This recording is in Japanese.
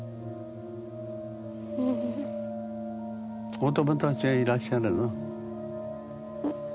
お友達がいらっしゃるの？